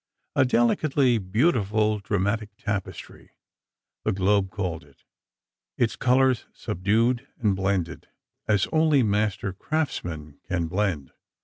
"A delicately beautiful dramatic tapestry," the Globe called it, "its colors subdued and blended, as only master craftsmen can blend....